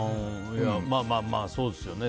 まあまあまあ、そうですよね。